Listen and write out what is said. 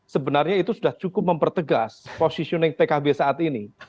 sebenarnya itu sudah cukup mempertegas positioning pkb saat ini